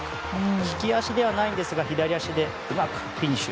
利き足ではないんですが左足でうまくフィニッシュ。